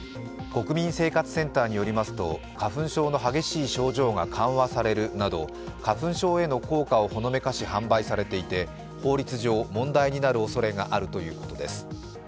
厚生労働省によりますと、花粉症への効果が緩和されるなど花粉症への効果をほのめかし販売されていて、法律上、問題になるおそれがあるということです。